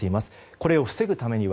これを防ぐためには？